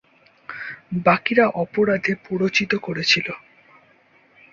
বাকিরা অপরাধে প্ররোচিত করেছিল।